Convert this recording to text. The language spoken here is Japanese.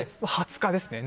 ２０日ですね。